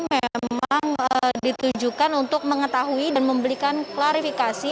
memang ditujukan untuk mengetahui dan memberikan klarifikasi